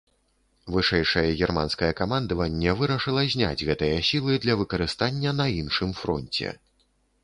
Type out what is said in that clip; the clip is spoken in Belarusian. Вышэйшае германскае камандаванне вырашыла зняць гэтыя сілы для выкарыстання на іншым фронце.